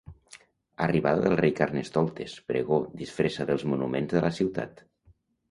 Arribada del Rei Carnestoltes, pregó, disfressa dels monuments de la ciutat.